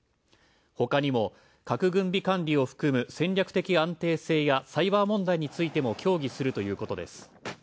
他にも核軍備管理を含む戦略的安定性やサイバー問題についても協議するということです。